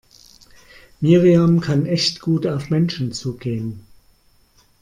Miriam kann echt gut auf Menschen zugehen.